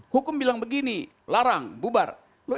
hukum bilang begini larang bubar